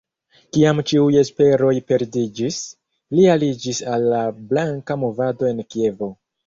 Kiam ĉiuj esperoj perdiĝis, li aliĝis al la Blanka movado en Kievo.